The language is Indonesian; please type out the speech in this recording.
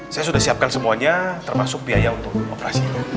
saya sudah siapkan semuanya termasuk biaya untuk operasi